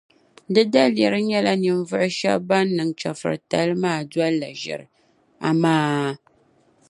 Di daliri nyɛla ninvuɣu shεba ban niŋ chεfuritali maa dolila ʒiri, amaa!